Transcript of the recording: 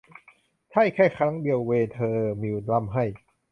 ใช่ แค่ครั้งเดียว เวเธอมิลล์ร่ำไห้